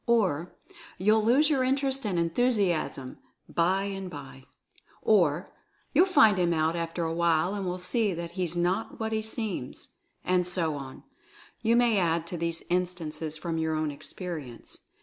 Or, "You'll lose your interest and enthusiasm, bye and bye." Or, "You'll find him out after a while and will see that he's not what he seems." And so on — you may add to these instances from your own experience.